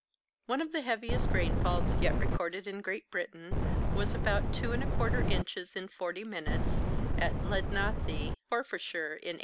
One of the heaviest rainfalls yet recorded in Great Britain was about 2 1/4 inches in forty minutes at Lednathie, Forfarshire, in 1887.